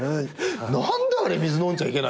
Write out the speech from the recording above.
何であれ水飲んじゃいけないの？